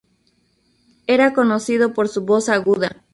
Era conocido por su voz aguda.